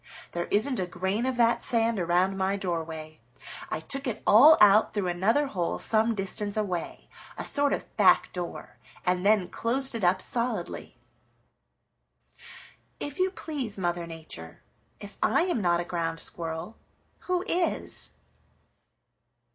"There isn't a grain of that sand around my doorway. I took it all out through another hole some distance away, a sort of back door, and then closed it up solidly. If you please, Mother Nature, if I am not a Ground Squirrel, who is?"